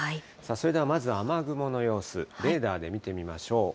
それではまず、雨雲の様子、レーダーで見てみましょう。